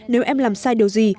nếu em làm sai điều gì